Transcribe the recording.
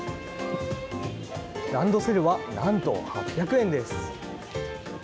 ランドセルはなんと８００円です。